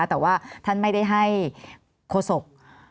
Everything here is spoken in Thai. แต่ว่าท่านไม่ได้ให้โฆษก